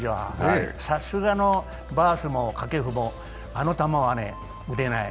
さすがのバースも掛布も、あの球は打てない。